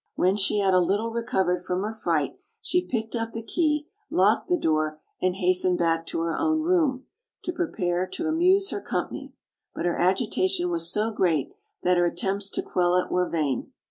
When she had a little recovered from her fright she picked up the key, locked the door, and hastened back to her own room, to prepare to amuse her company; but her agitation was so great that her attempts to quell it were vain.